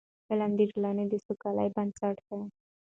علم د ټولني د سوکالۍ بنسټ دی.